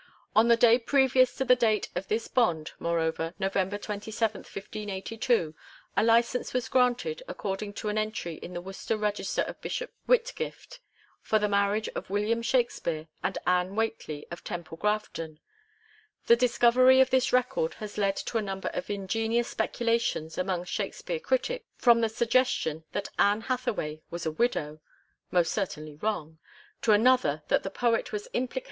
"On the day previous to the date of this bond, moreover, November 27, 1582, a licence was granted, according to an entry in the Worcester Register of Bishop Whitgif t, for the marriage of William Shaxpere and AnTie Whcuteley of Temple Grafton. The discovery of this record has led to a number of ingenious specula tions among Shakspere critics, from the suggestion that Anne Hathaway was a widow (most certainly wrong), to another that the poet was implicated in 1 See Sidney Lee's Life of Shakapeare, 1899, pp. 19 21.